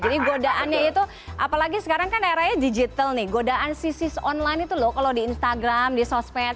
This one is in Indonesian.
jadi godaannya itu apalagi sekarang kan daerahnya digital nih godaan sisis online itu loh kalau di instagram di sosmed